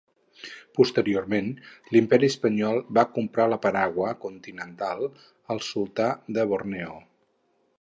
Posteriorment, l'imperi espanyol va comprar la Paragua continental al sultà de Borneo.